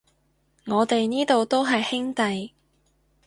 我哋呢度都係兄弟